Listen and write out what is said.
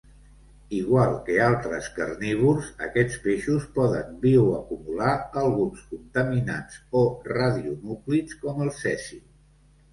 Igual que altres carnívors, aquests peixos poden bioacumular alguns contaminants o radionúclids com el cesi.